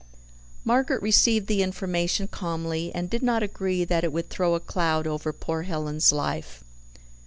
Margaret received the information calmly, and did not agree that it would throw a cloud over poor Helen's life.